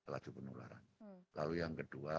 laju penularan lalu yang kedua